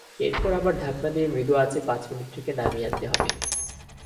এরপর আবার ঢাকনা দিয়ে মৃদু আঁচে পাঁচ মিনিট রেখে নামিয়ে আনতে হবে।